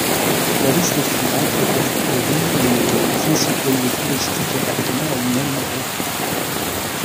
La liste suivante répertorie les principaux lieux touristiques appartenant à une même route.